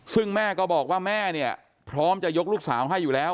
ซึ่งแม่ก็บอกว่าแม่เนี่ยพร้อมจะยกลูกสาวให้อยู่แล้ว